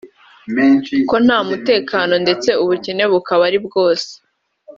ko nta mutekano ndetse ubukene bukaba ari bwose